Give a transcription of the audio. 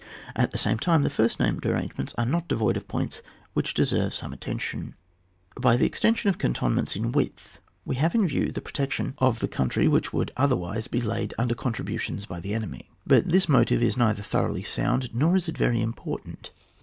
At the same time, the first named arrangements are not devoid of points which deserve some attention. By the extension of cantonments in width, we have in view the protection of CHAP. XIU.] CANTONMENTS. 41 the country which would otherwise be laid under contributions by the enemy. But this motive is neither thoroughly sound, nor is it very important.